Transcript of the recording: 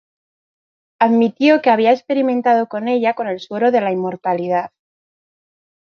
Admitió que había experimentado con ella con el suero de la inmortalidad.